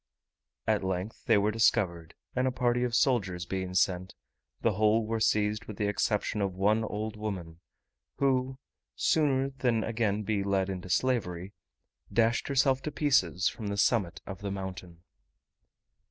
At length they were discovered, and a party of soldiers being sent, the whole were seized with the exception of one old woman, who, sooner than again be led into slavery, dashed herself to pieces from the summit of the mountain.